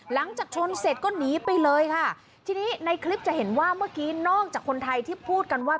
หลังจากชนเสร็จก็หนีไปเลยค่ะทีนี้ในคลิปจะเห็นว่าเมื่อกี้นอกจากคนไทยที่พูดกันว่า